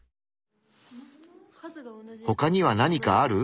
ほかには何かある？